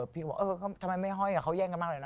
พี่ก็บอกเออทำไมไม่ห้อยกับเขาแย่งกันมากเลยนะ